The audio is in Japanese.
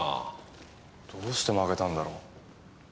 どうして負けたんだろう？